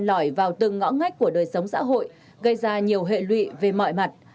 tình hình vào từng ngõ ngách của đời sống xã hội gây ra nhiều hệ lụy về mọi mặt